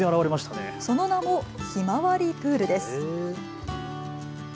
その名も、ひまわりプールです。